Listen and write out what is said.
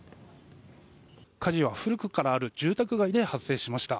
火事は古くからある住宅街で発生しました。